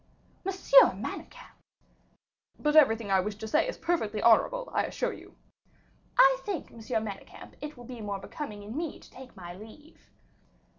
"Monsieur Manicamp!" "But everything I wish to say is perfectly honorable, I assure you." "I think, Monsieur Manicamp, it will be more becoming in me to take my leave."